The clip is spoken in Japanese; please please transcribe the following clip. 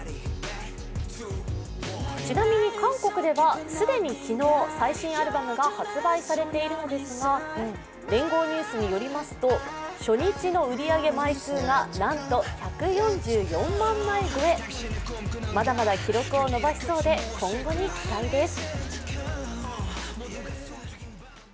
ちなみに韓国では、既に昨日、最新アルバムが発売されているんですが聯合ニュースによりますと初日の売り上げ枚数がなんと１４４万枚超えまだまだ記録を伸ばしそうで今後に期待です。